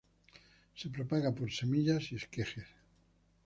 Se propaga por semillas y esquejes.